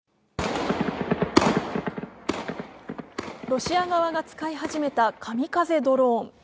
ロシア側が使い始めたカミカゼドローン。